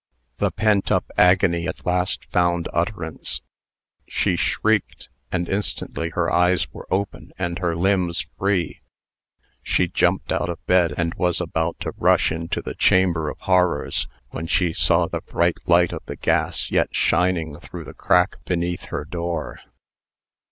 The pent up agony at last found utterance. She shrieked, and, instantly, her eyes were open, and her limbs free. She jumped out of bed, and was about to rush into the chamber of horrors, when she saw the bright light of the gas yet shining through the crack beneath her door.